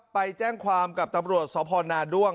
ไปแจ้งความกับตำรวจสพนาด้วง